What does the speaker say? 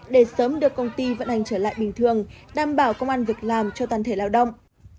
để sớm được công ty vận hành trở lại bình thường đảm bảo công an việc làm cho toàn thể lao động